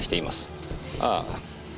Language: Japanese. ああ。